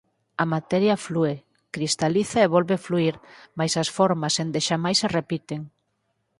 A materia flúe, cristaliza e volve fluír, mais as formas endexamais se repiten.